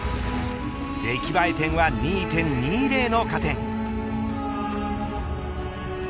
出来栄え点は２．２０の加点。